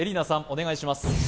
お願いします